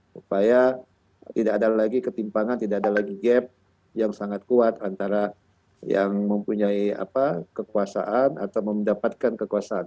supaya tidak ada lagi ketimpangan tidak ada lagi gap yang sangat kuat antara yang mempunyai kekuasaan atau mendapatkan kekuasaan